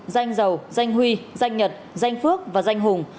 danh giàu danh huy danh nhật danh phước và danh hùng